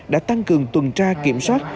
đã tăng cường tuần tra kiểm soát